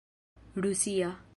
rusia